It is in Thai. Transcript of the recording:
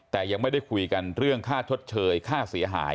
แต่ยังไม่ได้คุยกันเรื่องค่าชดเชยค่าเสียหาย